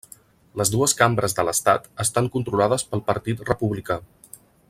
Les dues cambres de l'estat estan controlades pel Partit Republicà.